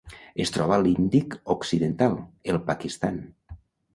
Es troba a l'Índic occidental: el Pakistan.